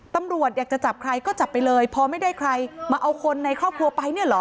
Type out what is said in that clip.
ตำรวจอยากจะจับใครก็จับไปเลยพอไม่ได้ใครมาเอาคนในครอบครัวไปเนี่ยเหรอ